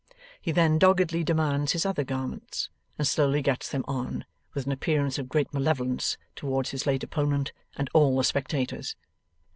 He then doggedly demands his other garments, and slowly gets them on, with an appearance of great malevolence towards his late opponent and all the spectators.